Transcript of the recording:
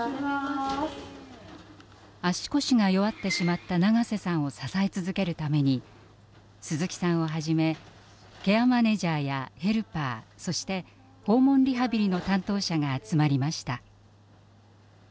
足腰が弱ってしまった長瀬さんを支え続けるために鈴木さんをはじめケアマネジャーやヘルパーそして訪問リハビリの担当者が集まりました。